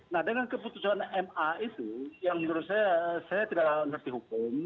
nah dengan keputusan ma itu yang menurut saya saya tidak mengerti hukum